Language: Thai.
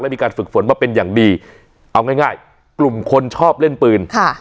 มีการฝึกฝนมาเป็นอย่างดีเอาง่ายง่ายกลุ่มคนชอบเล่นปืนค่ะ